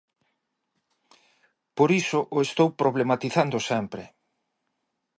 Por iso o estou problematizando sempre.